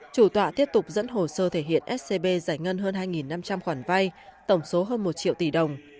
chủ tọa tiếp tục dẫn hồ sơ thể hiện scb giải ngân hơn hai năm trăm linh khoản vay tổng số hơn một triệu tỷ đồng